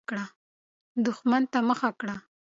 دښمن ته مخه کړه.